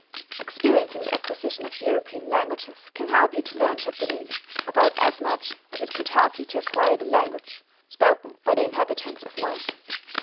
Experience in the acquisition of European languages can help you to learn Japanese about as much as it could help you to acquire the language spoken by the inhabitants of Mars.